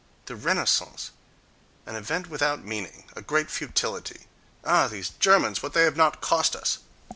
The Renaissance—an event without meaning, a great futility!—Ah, these Germans, what they have not cost us!